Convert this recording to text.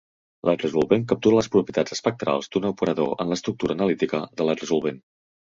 La resolvent captura les propietats espectrals d'un operador en l'estructura analítica de la resolvent.